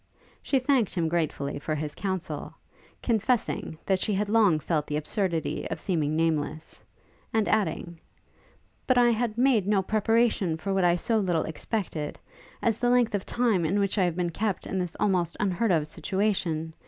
She thanked him gratefully for his counsel, confessing, that she had long felt the absurdity of seeming nameless; and adding, 'but I had made no preparation for what I so little expected, as the length of time in which I have been kept in this almost unheard of situation!